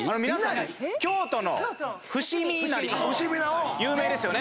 京都の伏見稲荷有名ですよね。